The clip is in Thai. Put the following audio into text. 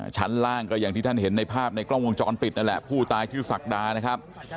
ชั้นล่างก็อย่างที่ท่านเห็นในภาพในกล้องวงจรปิดนั่นแหละผู้ตายชื่อศักดานะครับ